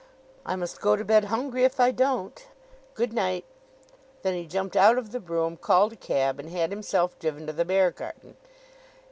"I must go to bed hungry if I don't. Good night." Then he jumped out of the brougham, called a cab, and had himself driven to the Beargarden.